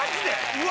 うわ！